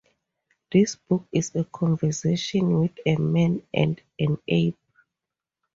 This book is a conversation with a man and an ape.